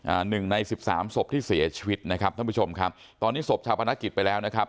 หนึ่งในสิบสามศพที่เสียชีวิตนะครับท่านผู้ชมครับตอนนี้ศพชาวพนักกิจไปแล้วนะครับ